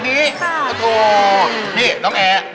นี่คืออะไร